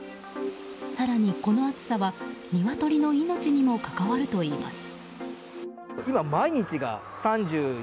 更に、この暑さはニワトリの命にも関わるといいます。